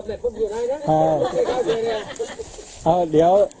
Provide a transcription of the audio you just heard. เออเดี๋ยว